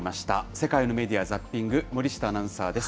世界のメディア・ザッピング、森下アナウンサーです。